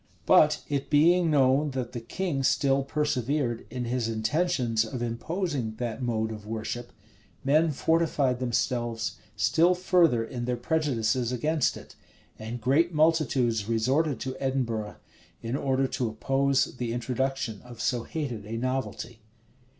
But it being known that the king still persevered in his intentions of imposing that mode of worship, men fortified themselves still further in their prejudices against it; and great multitudes resorted to Edinburgh, in order to oppose the introduction of so hated a novelty.